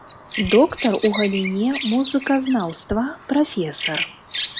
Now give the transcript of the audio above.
Доктар у галіне музыказнаўства, прафесар.